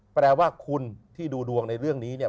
แปลว่าคุณที่ดูดวงในเรื่องนี้เนี่ย